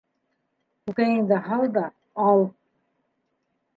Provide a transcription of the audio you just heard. Күкәйеңде һал да, ал!